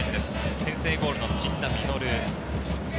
先制ゴールの陣田成琉。